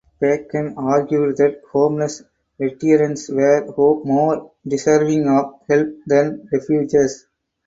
Bakken argued that homeless veterans were more deserving of help than refugees.